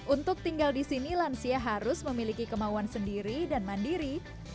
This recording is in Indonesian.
untuk tinggal di sini lansia harus memiliki kemauan sendiri dan mandiri